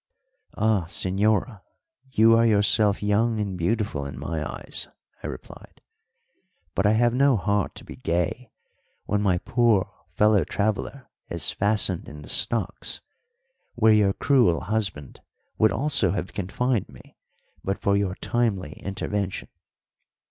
"Ah, señora, you are yourself young and beautiful in my eyes," I replied; "but I have no heart to be gay when my poor fellow traveller is fastened in the stocks, where your cruel husband would also have confined me but for your timely intervention.